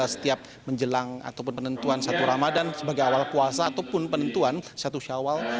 setiap menjelang ataupun penentuan satu ramadan sebagai awal puasa ataupun penentuan satu syawal